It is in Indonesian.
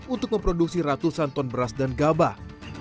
untuk memproduksi ratusan ton beras dan gabah